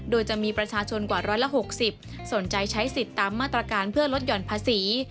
โดยจะมีประชาชนกว่า๑๖๐สนใจใช้สิทธิ์ตามมาตรการเพื่อลดหย่อนภาษี